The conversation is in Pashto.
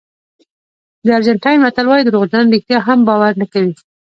د ارجنټاین متل وایي دروغجن رښتیا هم باور نه کوي.